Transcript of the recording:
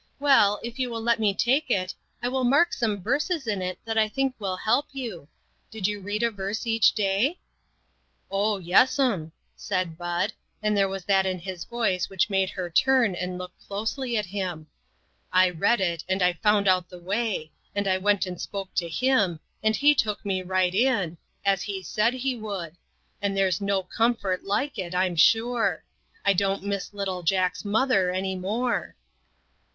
Well, if you will let me take it, I will mark some verses in it that I think will help you. Did you read a verse each day ?"" Oh, yes'm," said Bud, and there was that in his voice which made her turn and look clo'sely at him. " I read it, and I found out the way, and I went and spoke to Him, and He took me right in, as He said He would, and there's no comfort like it, I'm sure. I don't miss little Jack's mother any more."